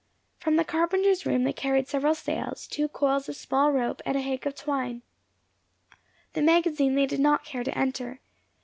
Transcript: From the carpenter's room they carried several sails, two coils of small rope, and a hank of twine. The magazine they did not care to enter.